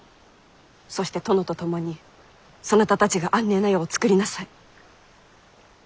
そして殿と共にそなたたちが安寧な世をつくりなさい。